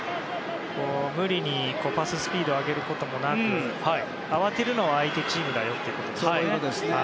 無理にパススピードを上げることもなく慌てるのは相手チームだよということですよね。